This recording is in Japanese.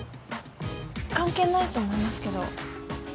関係ないと思いますけど。